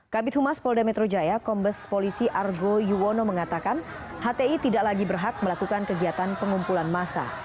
kabit humas polda metro jaya kombes polisi argo yuwono mengatakan hti tidak lagi berhak melakukan kegiatan pengumpulan massa